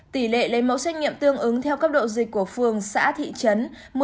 tỷ lệ lấy mẫu xét nghiệm tương ứng theo cấp độ dịch của phường xã thị trấn